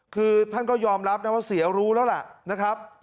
คือท่านก็ยอมรับนะว่าเสียรู้แล้วแหละนะครับ